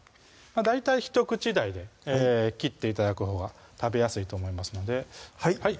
大体一口大で切って頂くほうが食べやすいと思いますのではい